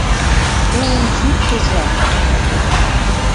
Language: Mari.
— Тулым чӱктыза, — мане тудо.